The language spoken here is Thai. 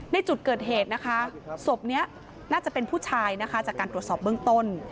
ในจุดเกิดเหตุนะคะศพนี้น่าจะเป็นผู้ชายนะคะจากการตรวจสอบเบื้องต้น